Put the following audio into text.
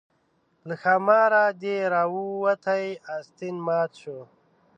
له ښاماره دې راوتى استين مات شو